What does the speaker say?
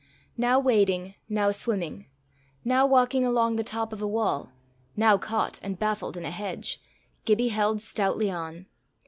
Now wading, now swimming, now walking along the top of a wall, now caught and baffled in a hedge, Gibbie held stoutly on.